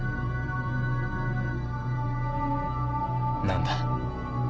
何だ？